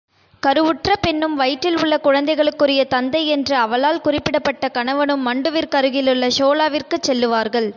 கருவுற்ற பெண்ணும், வயிற்றில் உள்ள குழந்தைகளுக்குரிய தந்தை என்று அவளால் குறிப்பிடப்பட்ட கணவனும், மண்டுவிற்கருகிலுள்ள ஷோலாவிற்குச் செல்லுவார்கள்.